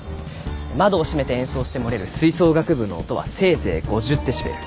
窓を閉めて演奏して漏れる吹奏楽部の音はせいぜい５０デシベル。